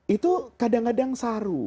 itu kadang kadang saru